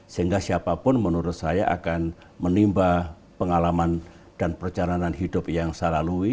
sehingga siapapun menurut saya akan menimba pengalaman dan perjalanan hidup yang saya lalui